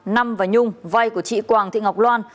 năm và nhung vai của chị quàng thị ngọc loan